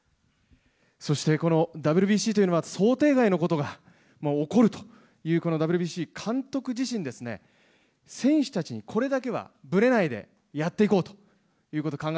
そして、このＷＢＣというのは、想定外のことが起こるという、このＷＢＣ、監督自身、選手たちにこれだけはぶれないでやっていこうということ、考え